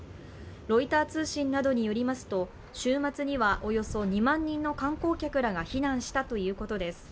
ロイター通信などによりますと、週末にはおよそ２万人の観光客らが避難したということです。